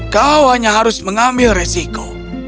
kau hanya harus mengambil resiko